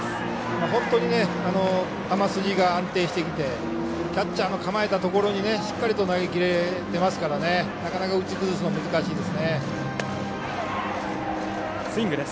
本当に球筋が安定してきてキャッチャーの構えたところにしっかりと投げ切れてますからなかなか打ち崩すの難しいです。